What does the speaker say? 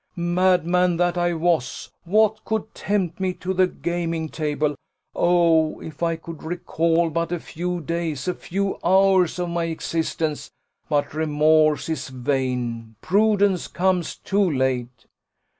Madman that I was, what could tempt me to the gaming table? Oh! if I could recall but a few days, a few hours of my existence! But remorse is vain prudence comes too late.